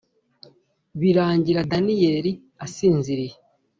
birangira daniel asinziriye,